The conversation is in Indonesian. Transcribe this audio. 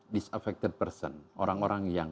disuffected person orang orang yang